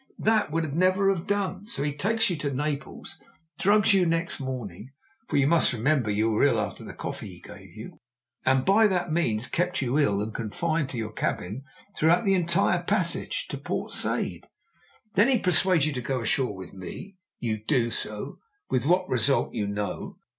That would never have done, so he takes you to Naples, drugs you next morning for you must remember you were ill after the coffee he gave you and by that means kept you ill and confined to your cabin throughout the entire passage to Port Said. Then he persuades you to go ashore with me. You do so, with what result you know.